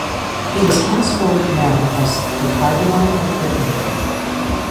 He was henceforward known as "the cardinal of Brittany".